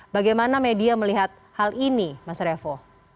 bagaimana media melihat hal ini mas revo